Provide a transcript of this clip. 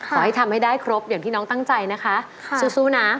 ขอให้ทำให้ได้ครบอย่างที่น้องตั้งใจนะคะสู้นะ